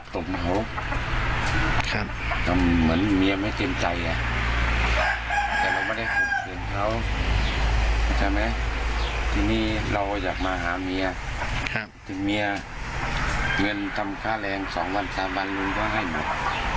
ถึงเมียเงินทำค่าแรงสองวันสามบันลุงก็ให้หมด